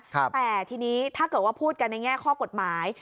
แต่ทีนี้ถ้าเกิดว่าพูดกันในแง่ข้อกฎหมาย